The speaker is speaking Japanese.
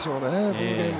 このゲーム。